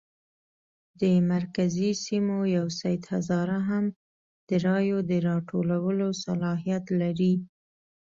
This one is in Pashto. د مرکزي سیمو یو سید هزاره هم د رایو د راټولولو صلاحیت لري.